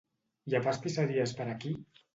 Hi ha pastisseries per aquí?